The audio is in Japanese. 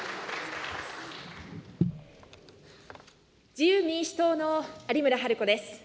自由民主党の有村治子です。